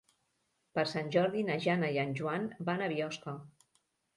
Per Sant Jordi na Jana i en Joan van a Biosca.